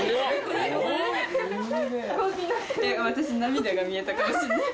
私涙が見えたかもしんない。